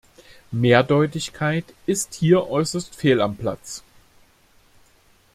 Mehrdeutigkeit ist hier äußerst fehl am Platz.